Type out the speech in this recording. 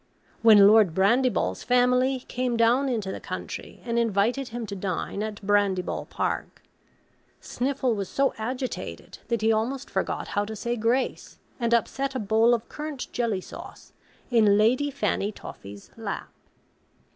When Lord Brandyball's family came down into the country, and invited him to dine at Brandyball Park, Sniffle was so agitated that he almost forgot how to say grace, and upset a bowl of currant jelly sauce in Lady Fanny Toffy's lap.